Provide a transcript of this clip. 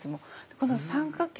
この三角形